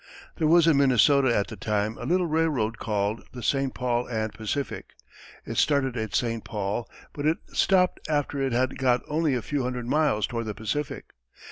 There was in Minnesota at the time a little railroad called the St. Paul & Pacific. It started at St. Paul, but it stopped after it had got only a few hundred miles toward the Pacific.